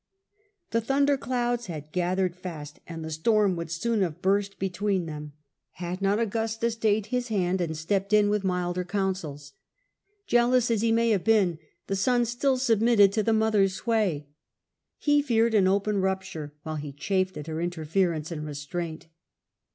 Agrippina, thundcr clouds had gathered fast, and the storm would soon have burst between them, had not 4.I.. 14 37. Tibcrms, Augusta stayed his hand and stepped in with milder counsels. Jealous as he may have been, the son stiU submitted to the mother's sway. He feared an open rup ture, while he chafed at her interference and restraint.